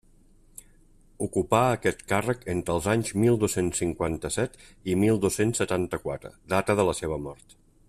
Ocupà aquest càrrec entre els anys mil dos-cents cinquanta-set i mil dos-cents setanta-quatre, data de la seva mort.